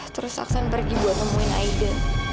terus aksan pergi buat temuin aida